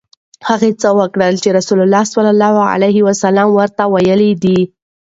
هغه څه وکړه چې رسول الله ورته ویلي دي.